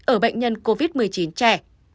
ở bệnh nhân covid một mươi chín trẻ